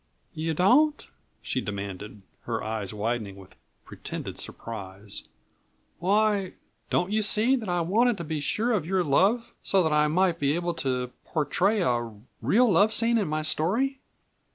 "You don't?" she demanded, her eyes widening with pretended surprise. "Why, don't you see that I wanted to be sure of your love so that I might be able to portray a real love scene in my story?"